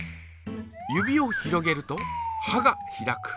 指を広げるとはが開く。